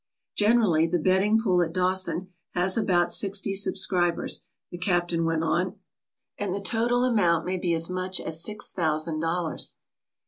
"Generally the betting pool at Dawson has about sixty subscribers/' the captain went on, "and the total amount may be as much as six thousand dollars.